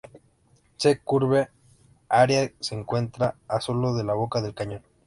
S-Curve Area se encuentra a sólo de la boca del cañón.